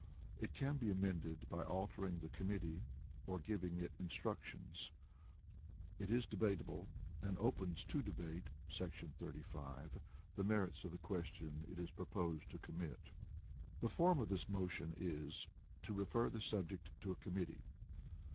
It can be amended by altering the committee, or giving it instructions. It is debatable, and opens to debate [§ 35] the merits of the question it is proposed to commit. The Form of this motion is "to refer the subject to a committee."